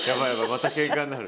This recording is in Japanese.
またケンカになる。